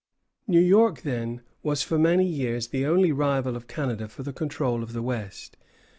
New York, then, was for many years the only rival of Canada for the control of the West.